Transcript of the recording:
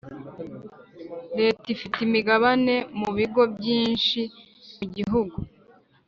Leta ifite imigabane mubigo byinshi mugihugu